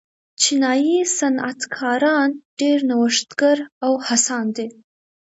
چینايي صنعتکاران ډېر نوښتګر او هڅاند دي.